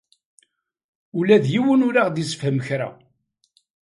Ula d yiwen ur aɣ-d-yessefhem kra.